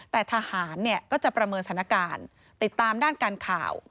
แต่ทหารเนี่ยก็จะประเมินสถานการณ์ติดตามด้านการข่าว